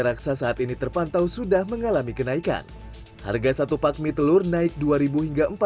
raksasaat ini terpantau sudah mengalami kenaikan harga satu pak mie telur naik dua ribu hingga empat ribu